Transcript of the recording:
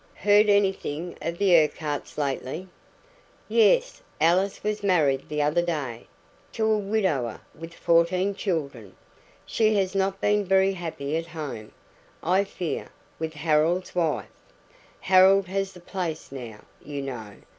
"Heard anything of the Urquharts lately?" "Yes. Alice was married the other day to a widower with fourteen children. She has not been very happy at home, I fear, with Harold's wife. Harold has the place now, you know.